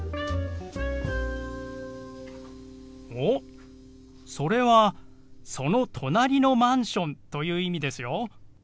おっそれは「その隣のマンション」という意味ですよ。